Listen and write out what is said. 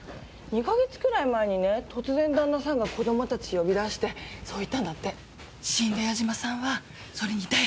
２ヵ月くらい前にね突然旦那さんが子どもたち呼び出してそう言ったんだって死んだ矢島さんはそれに大反対だったらしいよ